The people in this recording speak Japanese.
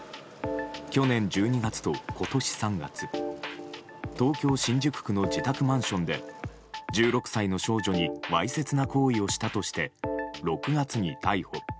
去年１２月と今年３月東京・新宿区の自宅マンションで１６歳の少女にわいせつな行為をしたとして、６月に逮捕。